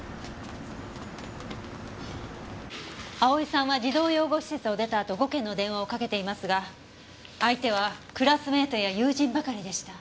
蒼さんは児童養護施設を出たあと５件の電話をかけていますが相手はクラスメートや友人ばかりでした。